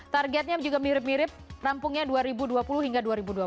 targetnya juga mirip mirip rampungnya dua ribu dua puluh hingga dua ribu dua puluh